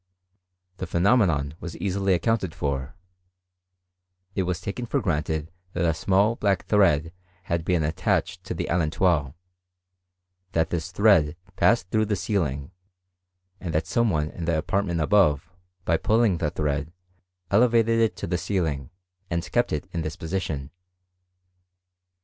The phenomenon was easily accounted for: it wa» taken for granted that a small black thread had been > attached to the allentois, that this thread passed through the ceiling, and that some one in the apartment above, by pulling the thread, elevated it to the ceiling, and kept it in this position.